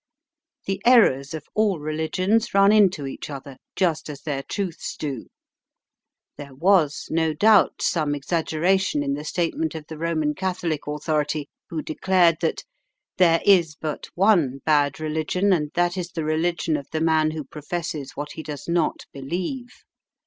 The errors of all religions run into each other, just as their truths do. There was, no doubt, some exaggeration in the statement of the Roman Catholic authority who declared that "there is but one bad religion, and that is the religion of the man who professes what he does not believe."